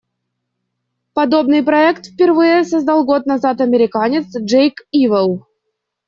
Подобный проект впервые создал год назад американец Джейк Ивел.